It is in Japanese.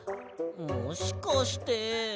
もしかして。